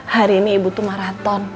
hari ini ibu tuh maraton